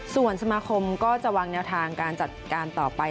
ส่วนสมาคมก็จะวางแนวทางการจัดการต่อไป